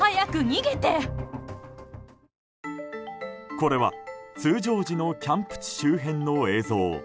これは通常時のキャンプ地周辺の映像。